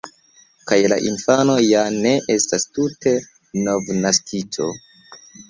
Kaj la infano ja ne estas tute novnaskito.